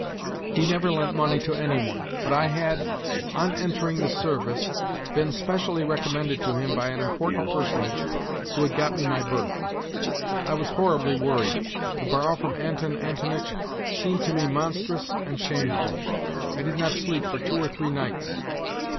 He never lent money to any one, but I had, on entering the service, been specially recommended to him by an important personage who had got me my berth. I was horribly worried. To borrow from Anton Antonitch seemed to me monstrous and shameful. I did not sleep for two or three nights.